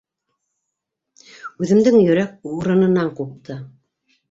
Үҙемдең йөрәк урынынан ҡупты.